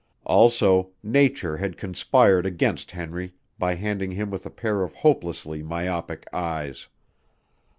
Also, nature had conspired against Henry by handing him with a pair of hopelessly myopic eyes.